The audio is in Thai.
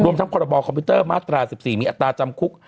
ทั้งพรบคอมพิวเตอร์มาตรา๑๔มีอัตราจำคุก